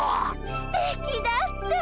すてきだった！